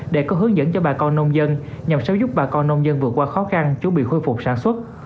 để có hướng dẫn cho bà con nông dân nhằm sớm giúp bà con nông dân vượt qua khó khăn chuẩn bị khôi phục sản xuất